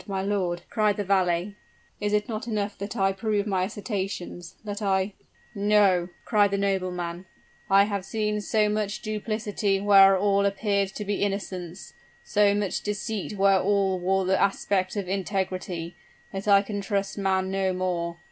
my lord!" cried the valet, "is it not enough that I prove my assertions that I " "No!" cried the nobleman; "I have seen so much duplicity where all appeared to be innocence so much deceit where all wore the aspect of integrity, that I can trust man no more.